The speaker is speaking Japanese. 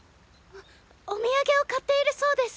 あっお土産を買っているそうです。